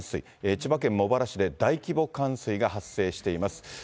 千葉県茂原市で大規模冠水が発生しています。